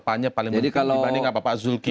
pan nya paling penting dibanding apa pak zulkifli